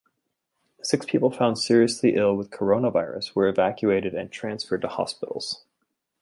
Six people found seriously ill with coronavirus were evacuated and transferred to hospitals.